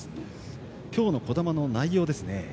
今日の児玉の内容ですね。